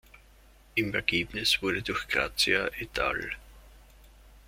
Im Ergebnis wurde durch Grazia et al.